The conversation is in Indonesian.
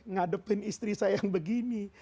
ngadepin istri saya yang begini